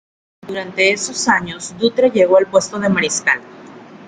Durante esos años Dutra llegó al puesto de mariscal.